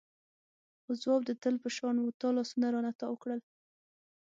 خو ځواب د تل په شان و تا لاسونه رانه تاو کړل.